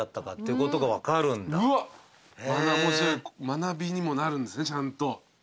学びにもなるんですねちゃんと。